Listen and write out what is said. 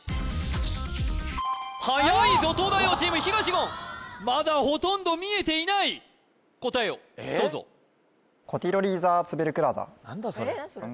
はやいぞ東大王チーム東言まだほとんど見えていない答えをどうぞ何だそれえっ何